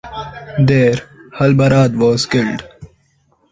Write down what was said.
There, Halbarad was killed.